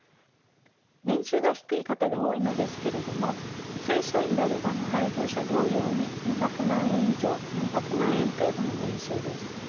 年収が低い方が多いのですけれども正社員であれば無配偶者同様に２００万円以上４００万円程度の年収です。